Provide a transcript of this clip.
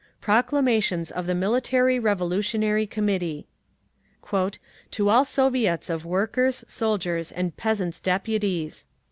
PROCLAMATIONS OF THE MILITARY REVOLUTIONARY COMMITTEE "To All Soviets of Workers', Soldiers' and Peasants' Deputies.